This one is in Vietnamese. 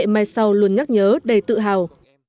để mai sau luôn nhắc nhớ đầy tự hào